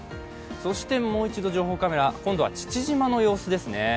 もう一度情報カメラ、今度は父島の様子ですね。